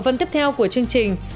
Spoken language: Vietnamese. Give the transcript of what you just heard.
ở phần tiếp theo của chương trình